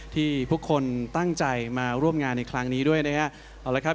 ที่ทุกคนตั้งใจมาร่วมงานในครั้งนี้ด้วยนะฮะเอาละครับ